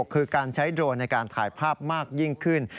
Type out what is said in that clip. คือการใช้โดรนในการถ่ายภาพมากยิ่งขึ้น